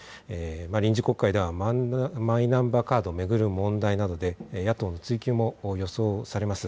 臨時国会ではマイナンバーカードを巡る問題などで、野党の追及も予想されます。